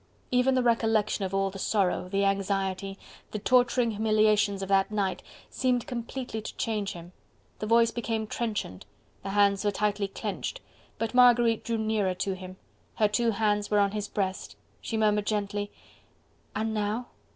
Even the recollection of all the sorrow, the anxiety, the torturing humiliations of that night seemed completely to change him; the voice became trenchant, the hands were tightly clenched. But Marguerite drew nearer to him; her two hands were on his breast; she murmured gently: "And now?..."